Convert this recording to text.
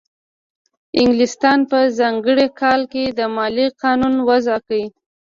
انګلستان په ځانګړي کال کې د مالیې قانون وضع کړ.